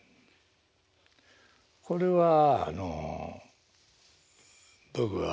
これはあの僕は。